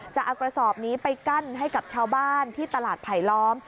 จะเอากระสอบนี้ไปกั้นให้กับชาวบ้านที่ตลาดไผลล้อม